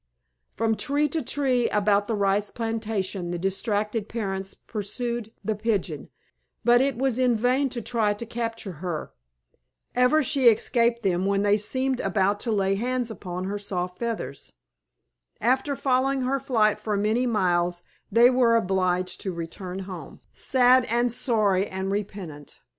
From tree to tree about the rice plantation the distracted parents pursued the Pigeon; but it was in vain to try to capture her. Ever she escaped them when they seemed about to lay hands upon her soft feathers. After following her flight for many miles they were obliged to return home, sad and sorry and repentant.